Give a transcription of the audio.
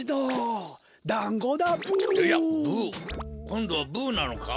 こんどはブなのか？